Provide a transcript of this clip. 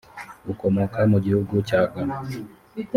ukomoka mu gihugu cya Ghana